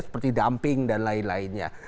seperti dumping dan lain lainnya